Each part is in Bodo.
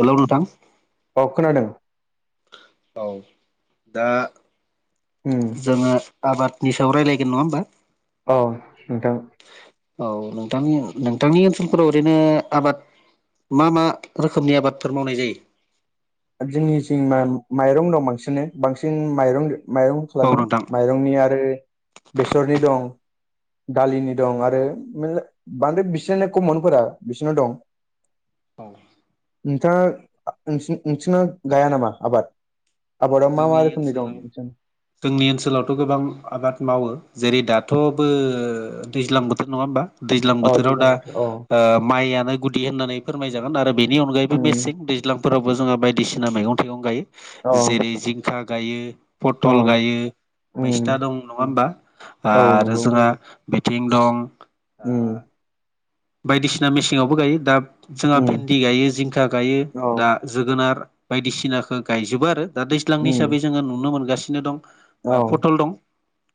हेलौ नोंथां अ खोनादों। औ दा उम जोङो आबादनि सायाव रायलायगोन नङा होमबा? अ नोंथां। औ नोंथांनि नोंथांनि ओनसोलफोराव ओरैनो आबाद मा मा रोखोमनि आबादफोर मावनाय जायो? जोंनिथिं मा-माइरं दं बांसिनो बांसिन माइरं माइरं औ खालामो नोंथां माइरं नि आरो बेसरनि दं। दालिनि दं आरो मेल्ला बांद्राय बिसोरनो कमनफोरा बिसोरनो दं। औ नोंथाङा नोंसि नोंसिना गाया नामा आबाद? आबादाव मा मा जोंनि रोखोमनि दं ओनसोलाव नोंसोर जोंनि ओनसोलावथ' गोबां आबाद मावो जेरै दाथ'बो दैज्लां बोथोर नङा होमबा? दैज्लां औ बोथोराव दैज्लां दा बोथोर औ ओ माइयानो गुदि होननानै फोरमाय जागोन आरो बेनि अनगायैबो उम मेसें दैज्लांफोरावबो जोंहा बायदिसिना मैगं थाइगं गायो औ जेरै जिंखा गायो, औ पथल गायो, उम मेस्ता दं नङा होमबा औ आरो नंगौ जोंहा बिथिं दं उम बायदिसिना मेसेङावबो गायो दा जोंहा उम भिन्दि गायो जिंखा गायो औ दा जोगोनार बायदिसिनाखौ गायजोबो आरो दा दैज्लांनि उम हिसाबै जोङो नुनो मोनगासिनो दं। औ ओ पटल दं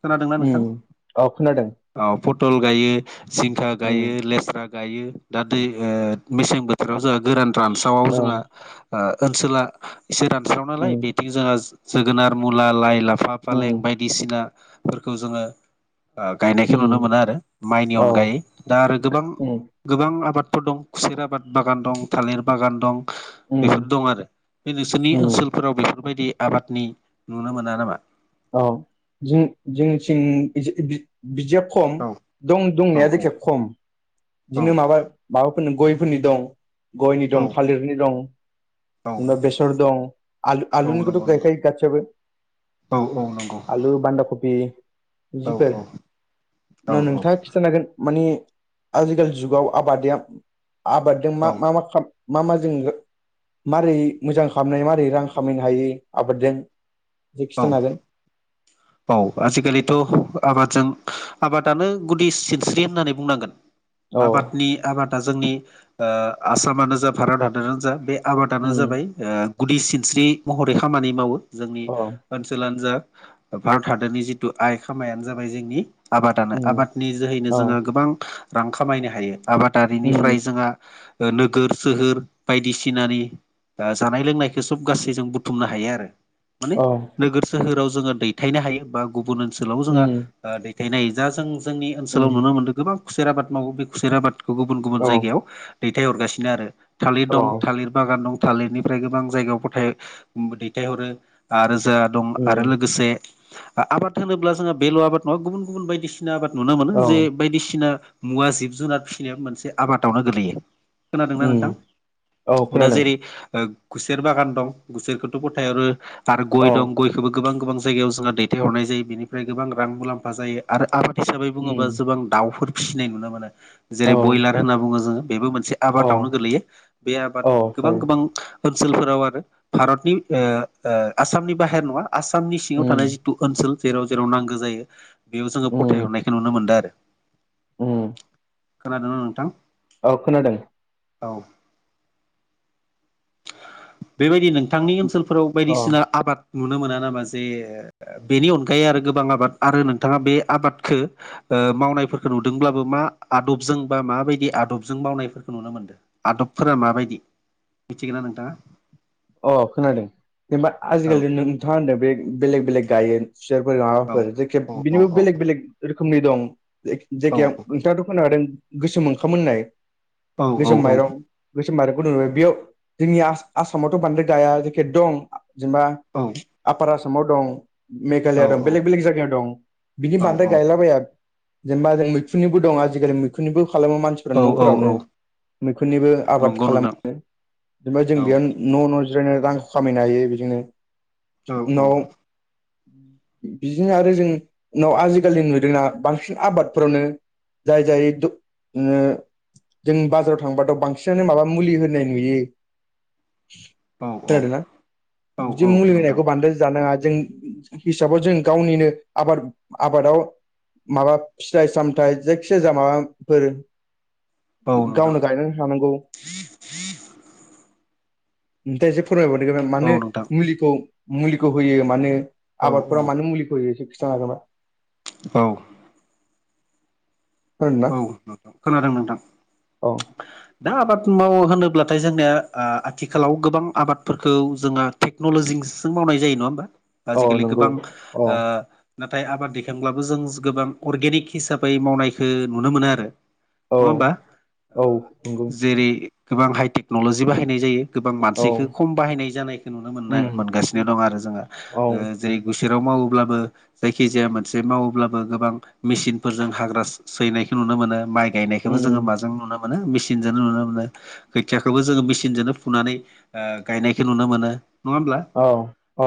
खोनादोंना नोंथां? उम औ खोनादों अ पटल गायो, जिंखा उम गायो, लेस गायो दा दै ओ मेसें बोथोराव जोंहा गोरान रानसावाव औ जोंहा ओ ओनसोला एसे रानस्राव औ नालाय बेथिं जोंहा जोगोनार, मुला, लाइ लाफा औ फालें बायदिसिनाफोरखौ जोङो गायनायखौ नुनो मोनो आरो माइनि अनगायै दा आरो गोबां गोबां आबादफोर दं खुसेर आबाद बागान दं थालिर बागान दं बेफोर दं आरो। बे नोंसोरनि ओनसोलफोराव बेफोरबायदि आबादनि नुनो मोना नामा? औ जों जोंनिथिं बिदि बि बिदिया खम औ दं औ दंनाया जायखिया खम औ बिदिनो माबा माबाफोरनो गयफोरनि दं गयनि औ दं थालिरनि दं। औ उमफाय बेसर दं आलु औ आलुनिखौथ' नंगौ नंगौ गायखायो गासैबो। औ औ नंगौ। आलु बान्दा कबि औ इदिफोर औ न औ नोंथाङा खिथानो हागोन माने आजिखालि जुगाव आबादिया आबाददों मा औ मा मा खाम मा मा [unintelligible] मारै मोजां खालामनाय मारै रां खामायनो हायो आबादजों बेखौ औ खिथानो हागोन? औ आजिखालिथ' आबादजों आबादानो गुदि सिनस्रि होननानै बुंनांगोन औ आबादनि आबादा जोंनि आसामानो जा भारतआनोानो जा बे आबादानो खोनादों जाबाय गुदि सिनस्रि महरै खामानि मावो जोंनि ओनसोलानो जा भारत हादरनि जिथु आइ खामायानो जाबाय जोंनि आबादानो आबादनि जोहैनो औ जोङो गोबां रां खामायनो हायो आबादारिनिफ्राय जोंहा नोगोर सोहोर बायदिसिनानि दा जानाय लोंनायखौ सब गासै जों बुथुमनो हायो आरो माने औ नोगोर सोहोराव जोङो दैथायनो हायो बा गुबुन ओनसोलाव जोंहा फिथायनाय जा जों जोंनि ओनसोलाव नुनो मोन्दों गोबां खुसेर आबाद मावो बे खुसेर आबाद बेखौ गुबुन गुबुन जायगायाव दैथाय हरगासिनो आरो थालिर औ दं थालिर बागान दं थालेडनिफ्राय गोबां जायगायाव फोथाय दैथायहरो जा दं आरो लोगोसे आबाद होनोब्ला जोंहा बेल' आबाद नङा गुबुन गुबुन बायदिसिना आबाद नुनो मोनो औ जे हायो बायदिसिना मुवा जिब जुनार फिसिनाय मोनसे आबादावनो गोगलैयो खोनादोंना नोंथां औ दा खोनादों जेरै गुसेर बागान दं गुसेरखौथ' फोथायहरो आरो गय दं गयखौबो गोबां गोबां जायगायाव जोंहा दैथायहरनाय जायो बेनिफ्राय गोबां रां मुलाम्फा जायो आरो आबाद हिसाबै बुङोबा जबां दाउफोर फिसिनाय नुनो मोनो जेरै ब्रयलार होनना बुङो जोङो बेबो मोन मोनसे आबादावनो गोगलैयो बे आबाद गोबां गोबां ओनसोलफोराव आरो भारतनि आसामनि बाहेर नङा आसामनि सिङाव थानाय जि ु ओनसोल जेराव जेराव नांगौ जायो बेयाव जोङो फथाय हरनायखौ नुनो मोनदों आरो [inaudible] खोनादों नोंथां औ खोनादों बेबायदि नोंथांनि ओनसोल फोराव अ बायदिसिना आबाद नुनो मोना नामा जे बेनि अनगायै आरो गोबां आबाद आरो नोंथाङा बे आबादखौ मावनायफोरखौ नुदोंब्लाबो मा आदबजों बा माबायदि आदबजों मावनायफोरखौ नुनो मोनदों आदबफोरा माबायदि मिथिगोन ना नोंथाङा अ खोनादों जेनेबा औ आजिखालि नोंथाङा होनदों बे बेलेग बेलेग गायो फसारफोर औ माबाफोर जायखि औ बिनिबो औ बेलेग औ बेलेग रोखोमनि दं औ जायगायाव नोंथाङाथ' खोनादों गोसोम ओंखाम मोननाय औ गोसोम माइरं गोसोम बारखौदुं नुबाय बेयाव जोंनि आसामावथ' बांद्राय गाया जेखि दं जेनेबा आफार आसामाव दं मेघालया दं बेलेग बेलेग जायगायाव दं बिनि बांद्राय औ गायलाबायाया जेनेबा जों मैखुननिबो दं आजिखालि मैखुननिबो खालामो मानसि इ औ औ न'फोरावनो औ मैखुननिबो आबाद नंगौ नोंथां खालामो जेनबा जों औ बेयाव न' न' जिरायनो रां खामायनो हायो बिदिनो औ औ नाव बिदिनो आरो जों उनाव आजिखालि नुदोंना बांसिन आबादफोरावनो जाय जाय द जों बाजाराव थांबाथ' बांसिनानो माबा मुलि होनाय नुयो औ फोरादों ना औ बिदि औ मुलि नोंथां होनायखौ बान्दो जानाङा जों हिसाबाव जों गावनिनो आबाद आबादाव माबा फिथाइ सामथाय जायखिजाया माबाफोर गावनो गायनानै थानांगौ जि जि ओमफ्राय एसे फोरमायबावदों औ मानो नोंथां मुलिखौ मुलिखौ होयो मानो औ औ आबादफोरा मानो मुलिखौ एसे खिथानो हागोनबा औ खोनादों ना औ नोंथां खोनादों नोंथां औ दा आबाद मावो होनोब्लाथाय जोंनिया ओ आथिखालाव गोबां आबादफोरखौ जोङा टेक्न'लजिजोंसो मावनाय जायो नङा होमबा औ आजिखालि नंगौ गोबां औ ओ नाथाय आबाद दैखांब्लाबो जों गोबां अर्गेनिक हिसाबै मावनायखौ नुनो मोना आरो। औ नङा होमबा औ नंगौ जेरै गोबां हाइ टेक्नलजि बाहायनाय जायो। गोबां औ मानसिखो खम बाहायनाय जानायखो नुनो मोनना उम मोनगासिनो दं आरो जोङो औ ओ जेरै गुसेराव मावोब्लाबो जायखिजाया मोनसे मावोब्लाबो गोबां मेसिनफोरजों हाग्रा सैनायखौ नुनो मोनो माइ गायनायखोबो जोङो उम माजों नुनो मोनो मेसिनजोनो नुनो मोनो। खोथियाखोबो जोङो मेसिनजोनो फुनानै ओ गायनायखो नुनो मोनो। नङा होमब्ला? औ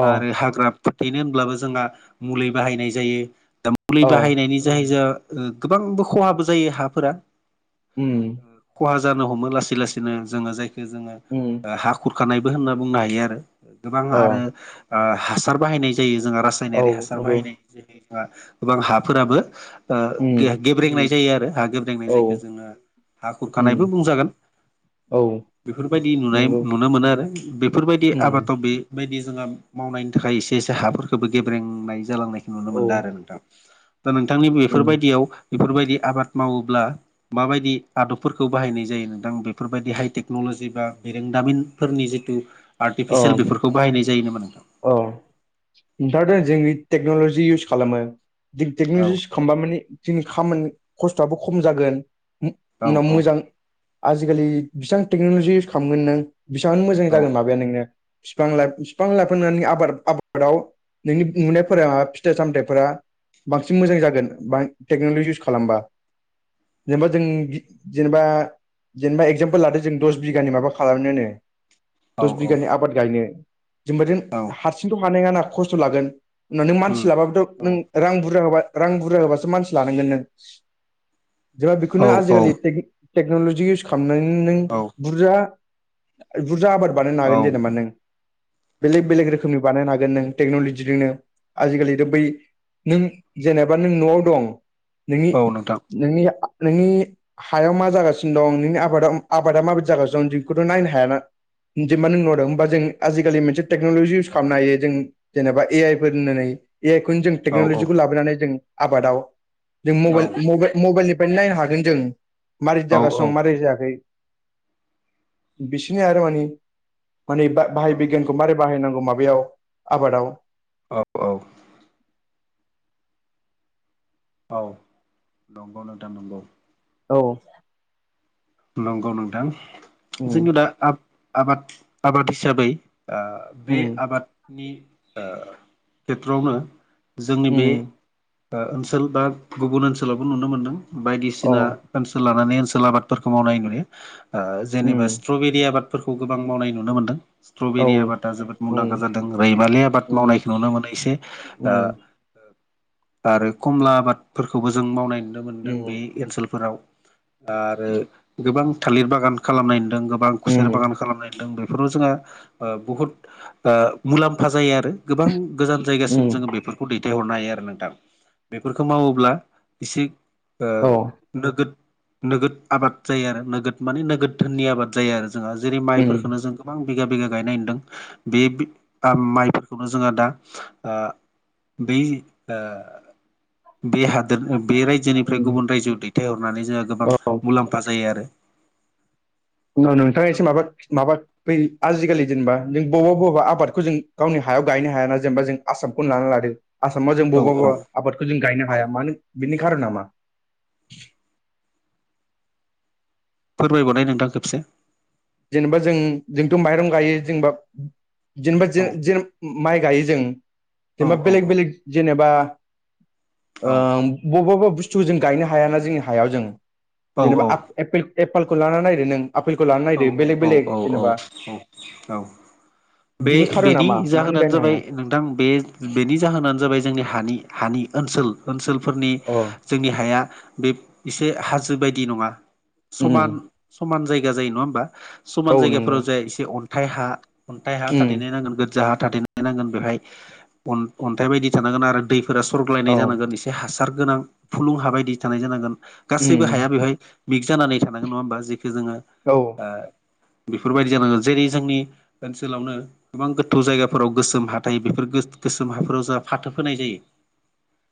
अ आरो हाग्रा फोथैनो होनब्लाबो जोंहा मुलि बाहायनाय जायो दा मुलि औ बाहायनायनि जाहै जा गोबांबो खहाबो जायो हाफोरा। उम खहा जानो हमो लासै लासैनो जोङो जायखो जोङो उम। हा खुरखानायबो होनना बुंनो हायो आरो। गोबां अ आरो ओ हासार बाहायनाय जायो जोंहा रा औ सायनारि हासार नंगौ बाहायनाय जायो बा गोबां हाफोराबो ओ उम गेब्रेंनाय जायो आरो हा गेब्रेेंनाय औ जायखो जोङो हा उम खुरखानायबो बुंजागोन। औ बेफोरबायदि नुनाय नंगौ नुनो मोनो आरो। बेफोरबायदि उम आबादाव बे बायदि जोंहा मावनायनि थाखाय एसे एसे हाफोरखोबो गेब्रेंनाय जालांनाय नुनो औ मोनदों आरो नोंथां। दा नोंथांनि उम बेफोरबायदियाव बेफोरबायदि आबाद मावोब्ला माबायदि आदबफोरखौ बाहायनाय जायो नोंथां बेफोरबायदि हाइ टेक्न'लजि बा बिरोंदामिन फोरनि जिथु अ आर्टिफिसियेल बेफोरखौ बाहायनाय जायो नामा? अ दाथ' जोंनि टेक्न'लजि इउस खालामो औ दिग-टेक्न'ल खालामबा माने जोंनि खामानि खस्थ'आबो खम जागोन औ उ-उनाव मोजां आजिखालि बेसेबां टेक्न'लजि इउस खालामगोन नों बेसिबांनो मोजां जागोन माबा बे नोंनो फिफां लाइफ फिफां ला नुनानै आबाद आबादाव नोंनि नुनायफोरा फिथाइ सामथाइफोरा बांसिन मोजां जागोन बां टेक्न'लजि इउस खालामबा। जेनबा जों जेनेबा जेनेबा एगजामपोल लादो जों दस बिगानि माबा खालामनोनो औ दस बिगानि आबाद गायनो जेनबादेन औ हारसिंथ' हानाय नङा ना खस्थ' लागोन उनाव नों उम मानसि लाबाबोथ' औ नों रां बुरजा होबा रां बुरजा होबासो मानसि लानांगोन नों। जेनबा बेखौनो औ औ आजिखालि टेक-टेक्न'लजि इउस खालामनानै नों औ बुरजा बुरजा आबाद बानायनो औ हागोन जेनेबा नों। बेलेग बेलेग रोखोमनि बानायनो हागोन नों टेक्न'लजिजोंनो आजिखालिथ' बै नों जेनेबा नों न'आव दं नोंनि औ नोंथां नोंनि नोंनि हायाव मा जागासिनो दं नोंनि आबादा आबादा माबायदि जागासिनो दं दिखौथ' नायनो हायाना। जेनबा नों नआव दं होमबा जे आजिखालि मोनसे टेक्न'ल'जि इउस खालामनो हायो जों जेनेबा ए आइ फोर होननानै ए आइ खौनो जों औ औ टेक्नलजिखौ लाबोनानै जों आबादाव जों औ मबाइल मबाइल मबइलनि निफ्रायनो नायनो हागोन जों मारै औ जागासिनो दं मारै जायाखै। बिसिनि आरो माने माने बाहाय बिगियान बाहायनांगौ माबायाव आबादाव। औ नंगौ नोंथां नंगौ। औ नंगौ नोंथां उम जोंनियाव दा आ-आबाद आबाद हिसाबै आ बे उम आबादनि आ खेथ्रआवनो जोंनि बे उम ओनसोल बा गुबुन ओनसोलावबो नुनो मोन्दों अ बायदिसिना ओनसोल लानानै ओनसोल आबाद फोरखौ मावनाय नुयो ओ जेनेबा उम स्ट्रबेरि आबादफोरखौ गोबां मावनाय नुनो मोनदों। औ स्ट्रबेरि आबादा जोबोद उम मुंदांखा जादों रैमालि आबाद उम मावनायखौ नुनो मोनो एसे। ओ उम आरो खमला आबादफोरखौबो जों मावनाय नुनो मोनदों बे उम ओनसोलफोराव आरो गोबां थालिर बागान खालामनायदों गो बां खुसेर उम बागान खालाम नुदों बेफोराव जोंहा बुहुत मुलाम्फा जायो आरो आरो गोबां गोजान जायगासिम उम जोङो बेफोर खौ दैथायहरनो हायो आरो नोंथां बेफोरखौ मावोब्ला एसे ओ औ नोगोद नोगोद आबाद जायो आरो नोगोद माने नोगोद धोननि आबाद जायो आरो जोंहा जेरै उम माइफोरफोरखौनो जों गोबां बिगा बिगा गायनाय नदों बे माइफोरखौनो जोंहा दा बे ओ बे हाद बे रायजोनिफ्राय उम गुबुन रायजोआव दैथायहरनानै जोंहा गोबां औ मुलाम्फा जायो आरो न' नोंथाङा एसे औ माबा माबा बै आजिखालि जेनेबा जों बबेबा बबेबा आबादखौ जों गावनि हायाव गायनो हायाना जेनेबा जों आसामखौनो लाना लादो आसामाव जों औ बबेबाबा आबादखौ जों गायनो हाया मानो बिनि खारना मा फोरमायबावनाय नोंथां खेबसे जेनेबा जों जोंथ' माइरं गायो जेनबा जेनेबा औ जों ज माइ गायो जों औ जेनेबा बेलेग औ बेलेग जेनेबा ओ औ बबा बबा बुस्थु जों गायनो हायाना जोंनि हायाव जों जेनेबा औ औ आफ एपेल एपालखौ लानानै नायदो नों आ आफेलखौ लानानै औ औ औ औ औ औ औ बे बिनि खार'ना बेनि मा मानो जाहोनानो गायनो जाबाय हाया नोंथां बे बेनि जाहोनानो जाबाय जोंनि हानि हानि ओनसोल ओनसोलफोरनि अ जोंनि हाया बे एसे हाजो बायदि नङा उम समान समान जायगा जायो नङा होमबा समान औ नंगौ जायगाफोराव जा एसे अन्थाइ हा अन्थाइ हा उम थादेरनाय नुगोन जाहा थाथेननाय नांगोन बेवहाय अन्थाइ बायदि थानांगोन आरो दैफोरा सरग्लायनाय औ जानांगोन इसोर बे हासार गोनां फुलुं हा बायदि थानाय जानांगोन गासैबो उम हाया बेवहाय मिग जानानै थानांग नङा होमबा जेखौ जोङो औ ओ बेफोरबायदि जानांगोन जेरै जोंनि ओनसोलावनो गोबां गोथौ जायगाफोराव गोसोम हा थायो बेफोर गोसोम हाफोराव जोंहा फाथो फोनाय जायो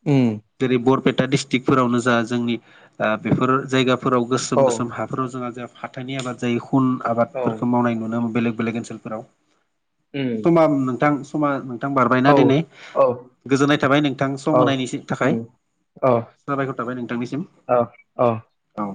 उम जेरै बरपेटा डिस्ट्रिक्टफोरावनो जा जोंनि ओ बेफोर जायगाफोराव औ गोसोम गोसोम हा फोराव जोंहा जहा फाथोनि आबाद जायो हुन औ आबादफोरखौ मावनाय नुनोन बेलेग बेलेक ओनसोलफोराव उम समा नोंथां समा नोंथां बारबायना औ दिनै औ गोजोननाय थाबाय नोंथां सम होनायनि उम थाखाय साबायखर थाबाय नोंथांनिसिम औ अ औ